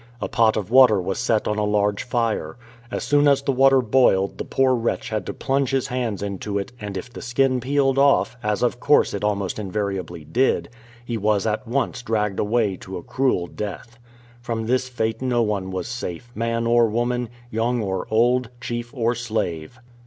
A pot of water was set on a large fire. As soon as the wp.ter boiled, the poor wretch had to plunge his hands into it, and if the skin peeled off, as of course it almost invariably did, he was at once dragged away to a cruel death. From this fate no one was safe, man or woman, young or old, chief or slave.